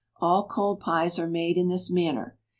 All cold pies are made in this manner.